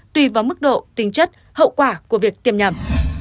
tùy vào mức độ tính chất hậu quả của việc tiêm nhầm